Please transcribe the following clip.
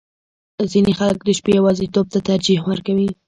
• ځینې خلک د شپې یواځیتوب ته ترجیح ورکوي.